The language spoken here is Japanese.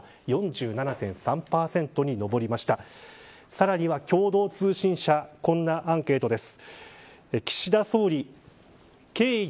さらには共同通信社こんなアンケートです。